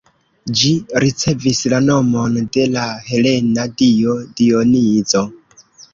Ĝi ricevis la nomon de la helena dio Dionizo.